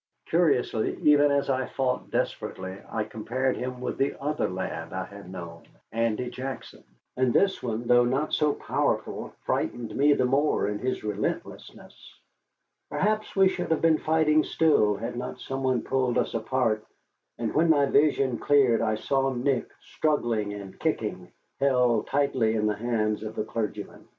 Curiously, even as I fought desperately I compared him with that other lad I had known, Andy Jackson. And this one, though not so powerful, frightened me the more in his relentlessness. Perhaps we should have been fighting still had not some one pulled us apart, and when my vision cleared I saw Nick, struggling and kicking, held tightly in the hands of the clergyman.